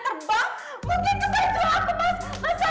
mungkin ke pecoa